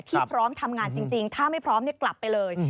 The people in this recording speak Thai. พร้อมทำงานจริงถ้าไม่พร้อมกลับไปเลย